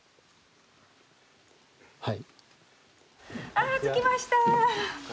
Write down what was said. あ着きました。